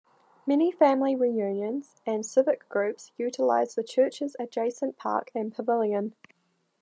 Many family reunions and civic groups utilize the church's adjacent park and pavilion.